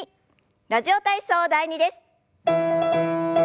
「ラジオ体操第２」です。